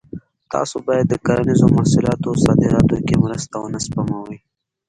تاسو باید د کرنیزو محصولاتو صادراتو کې مرسته ونه سپموئ.